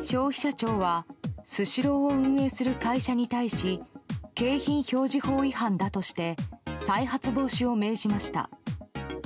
消費者庁はスシローを運営する会社に対し景品表示法違反だとして再発防止を命じました。